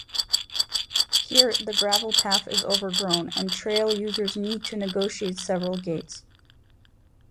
Here, the gravel path is overgrown and trail users need to negotiate several gates.